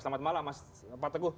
selamat malam pak teguh